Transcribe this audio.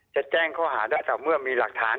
จะแจ้งข้อหาได้แต่เมื่อมีหลักฐาน